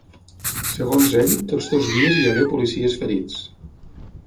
Segons ell, tots dos dies hi hagué policies ferits.